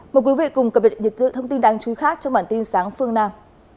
mời quý vị cùng cập nhật những thông tin đáng chú ý khác trong bản tin sáng phương nam